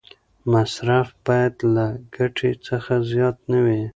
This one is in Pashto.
مصرف باید له ګټې څخه زیات نه وي.